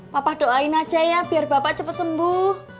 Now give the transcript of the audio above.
papa doain aja ya biar bapak cepat sembuh